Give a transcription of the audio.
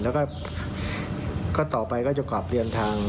แล้วก็ต่อไปก็จะกลับเรียนทาง